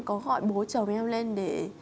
có gọi bố chồng em lên để